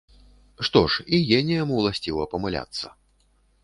Што ж, і геніям уласціва памыляцца!